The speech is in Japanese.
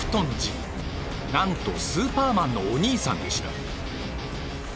なんとスーパーマンのお兄さんでした。